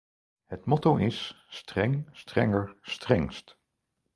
Het motto is: streng, strenger, strengst.